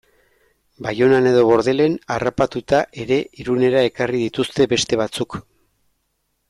Baionan edo Bordelen harrapatuta ere Irunera ekarri dituzte beste batzuk...